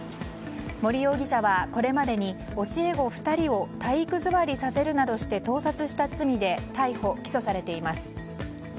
森容疑者はこれまでに教え子２人を体育座りさせるなどして盗撮した罪で逮捕・起訴されています。